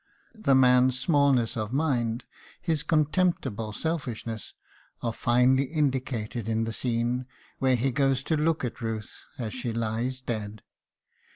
The man's smallness of mind, his contemptible selfishness, are finely indicated in the scene where he goes to look at Ruth as she lies dead.